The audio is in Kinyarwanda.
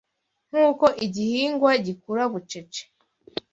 Nk’uko igihingwa gikura bucece